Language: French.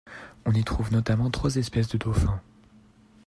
On y trouve notamment trois espèces de dauphin.